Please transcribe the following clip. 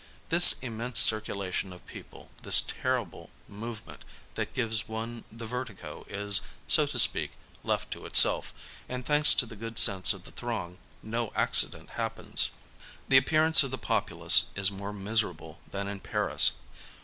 This immense circulation of people, this terrible movement that gives one the vertigo is, so to speak, left to itself, and, thanks to the good sense of the throng, no accident happens. The appearance of the populace is more miserable than in Paris.